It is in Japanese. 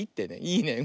いいね。